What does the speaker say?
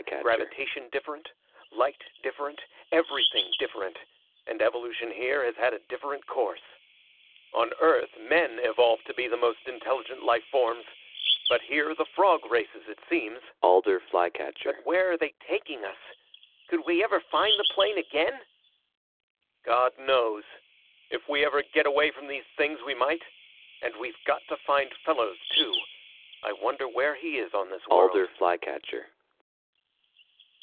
Gravitation different, light different, everything different, and evolution here has had a different course. On Earth men evolved to be the most intelligent life forms, but here the frog races, it seems." "But where are they taking us? Could we ever find the plane again?" "God knows. If we ever get away from these things we might. And we've got to find Fellows, too; I wonder where he is on this world."